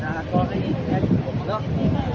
และก็ได้อีกแค่สิ่งหนึ่งเนอะ